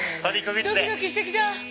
ドキドキしてきた。